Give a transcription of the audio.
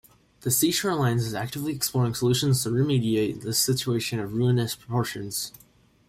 The Seashore Lines is actively exploring solutions to remediate this situation of ruinous proportions.